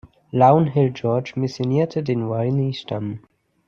Lawn Hill George missionierte den Waanyi-Stamm.